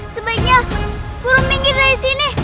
sebaiknya guru minggir dari sini